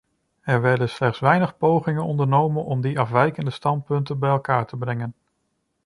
Er werden slechts weinig pogingen ondernomen om die afwijkende standpunten bij elkaar te brengen.